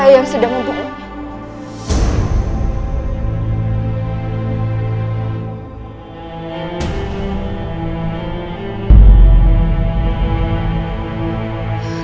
saya yang sedang membunuhmu